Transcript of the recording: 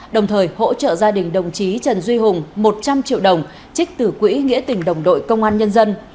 đồng thời hỗ trợ gia đình đồng chí trần duy hùng một trăm linh triệu đồng trích từ quỹ nghĩa tỉnh đồng đội công an nhân dân